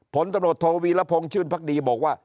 ผลตำรวจโทษธนิษฐกษ์ธีรสวรรค์ชื่นพักดีบอกว่า